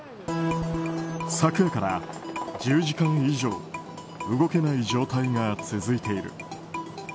昨夜から１０時間以上動けない状態が続いている。